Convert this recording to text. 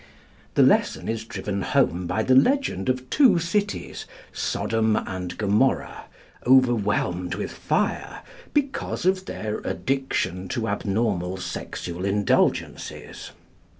The lesson is driven home by the legend of two cities, Sodom and Gomorrah, overwhelmed with fire because of their addiction to abnormal sexual indulgences.